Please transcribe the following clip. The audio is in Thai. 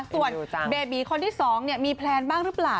ส่วนเบบีคนที่๒มีแพลนบ้างหรือเปล่า